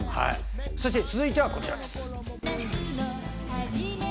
続いてはこちらです。